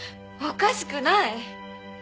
おかしくない。